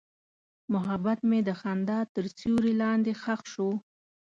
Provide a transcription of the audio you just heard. محبت مې د خندا تر سیوري لاندې ښخ شو.